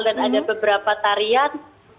dan ada beberapa tarian